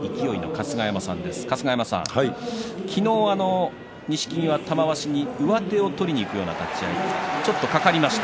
春日山さん、昨日、錦木は玉鷲に上手を取りにいくような立ち合いを見せました。